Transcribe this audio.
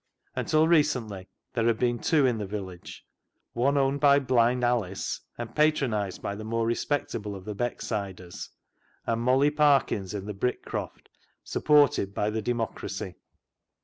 Until recently there had been two in the village, — one owned by Blind Alice, and patron ised by the more respectable of the Becksiders, and Molly Parkin's in the Brick croft, supported by the democracy.